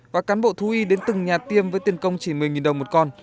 và cán bộ thú y đến từng nhà tiêm với tiền công chỉ một mươi đồng một con